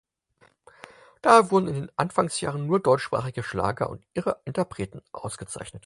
Daher wurden in den Anfangsjahren nur deutschsprachige Schlager und ihre Interpreten ausgezeichnet.